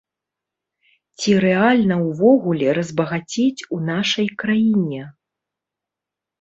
Ці рэальна ўвогуле разбагацець у нашай краіне?